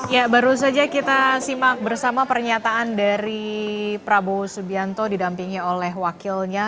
ya baru saja kita simak bersama pernyataan dari prabowo subianto didampingi oleh wakilnya